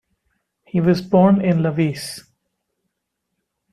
He was born in Levice.